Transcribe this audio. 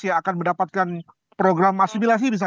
dan mendapatkan program asimilasi